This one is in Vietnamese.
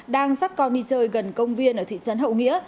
đang dắt con đi chơi gần công viên ở thị trấn hậu nghĩa